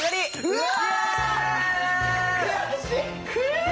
うわ。